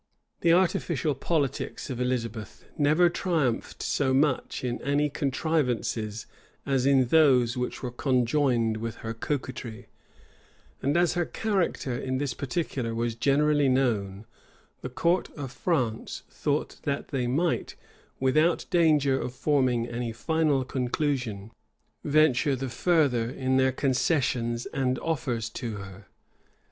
[*]* Camden, p. 433. Davila, lib. v. Digger's Complete Ambassador p. 84, 110, 111 The artificial politics of Elizabeth never triumphed so much in any contrivances as in those which were conjoined with her coquetry; and as her character in this particular was generally known, the court of France thought that they might, without danger of forming any final conclusion, venture the further in their concessions and offers to her.